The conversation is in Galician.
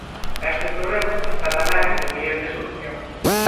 Este problema está tamén en vías de solución.